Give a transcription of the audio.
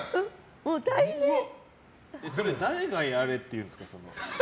それ誰がやれって言うんですか。